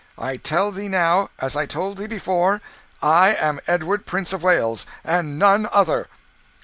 I tell thee now, as I told thee before, I am Edward, Prince of Wales, and none other."